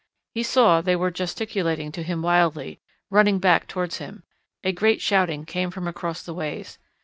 He saw they were gesticulating to him wildly, running back towards him. A great shouting came from across the ways.